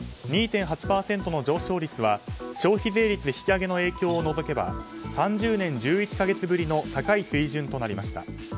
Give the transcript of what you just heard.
２．８％の上昇率は消費税率引き上げの影響を除けば３０年１１か月ぶりの高い水準となりました。